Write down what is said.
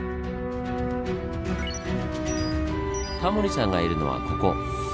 タモリさんがいるのはここ。